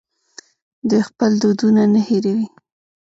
دوی خپل دودونه نه هیروي.